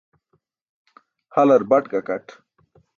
Halar baṭ gakat.